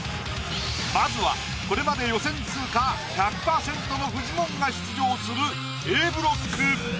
まずはこれまで予選通過１００％のフジモンが出場するＡブロック。